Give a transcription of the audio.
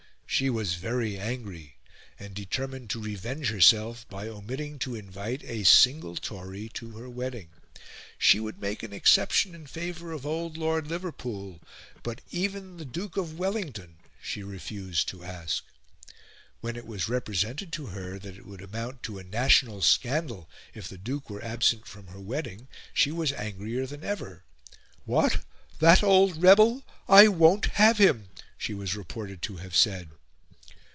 She was very angry; and determined to revenge herself by omitting to invite a single Tory to her wedding. She would make an exception in favour of old Lord Liverpool, but even the Duke of Wellington she refused to ask. When it was represented to her that it would amount to a national scandal if the Duke were absent from her wedding, she was angrier than ever. "What! That old rebel! I won't have him:" she was reported to have said.